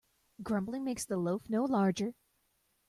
Grumbling makes the loaf no larger.